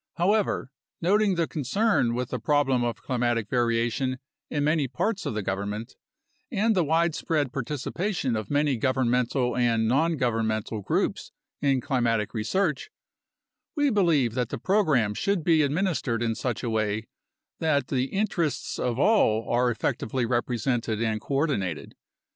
However, noting the concern with the problem of climatic variation in many parts of the government, and the widespread participation of many governmental and nongovernmental groups in climatic research, we believe that the program should be ad ministered in such a way that the interests of all are effectively repre sented and coordinated.